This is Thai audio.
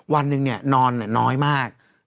วันหนึ่งนอนน้อยมาก